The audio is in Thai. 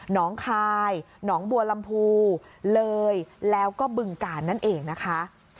น้องคายหนองบัวลำพูเลยแล้วก็บึงกาลนั่นเองนะคะ